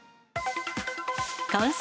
完成？